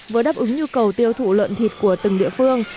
vừa đáp ứng nhu cầu tiêu thụ lợn thịt của từng địa phương